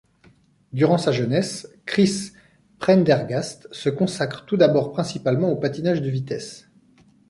Durant sa jeunesse, Chris Prendergast se consacre tout d'abord principalement au patinage de vitesse.